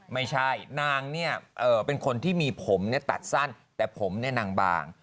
ไม่ใช่นางเนี่ยเป็นคนที่มีผมตัดสั้นแต่ผมเนี่ยนางบาง